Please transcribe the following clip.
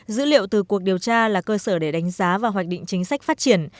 dữ liệu từ cuộc điều tra là cơ sở để đánh giá và hoạch định chính sách phát triển